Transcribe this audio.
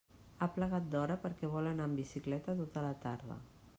Ha plegat d'hora perquè vol anar en bicicleta tota la tarda.